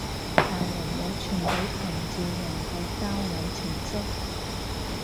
大陸有專俾同志用嘅交友程式？